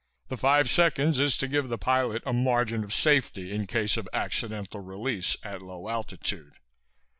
The five seconds is to give the pilot a margin of safety in case of accidental release at low altitude.